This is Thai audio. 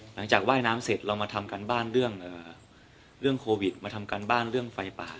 หลังจากว่ายน้ำเสร็จเรามาทำการบ้านเรื่องโควิดมาทำการบ้านเรื่องไฟป่า